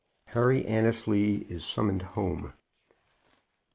HARRY ANNESLEY IS SUMMONED HOME.